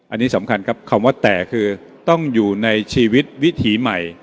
อันนี้สำคัญครับคำว่าแต่คือต้องอยู่ในชีวิตวิถีใหม่